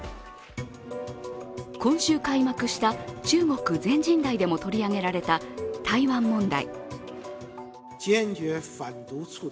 今週開幕した中国、全人代でも取り上げられた台湾問題。